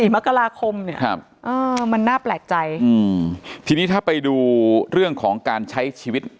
๑๒๔มกราคมมันน่าแปลกใจทีนี้ถ้าไปดูเรื่องของการใช้ชีวิต